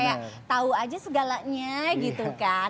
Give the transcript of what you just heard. kayak tau aja segalanya gitu kan